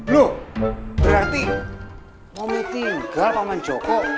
loh berarti momi tinggal paman joko